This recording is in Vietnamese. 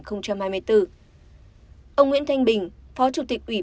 ông nguyễn thanh bình phó chủ tịch ủy ban